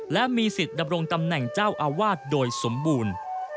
และมีสิทธิ์ดำรงตำแหน่งเจ้าอาวาสโดยสมบูรณ์